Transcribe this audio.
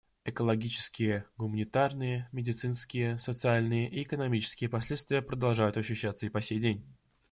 Экологические, гуманитарные, медицинские, социальные и экономические последствия продолжают ощущаться и по сей день.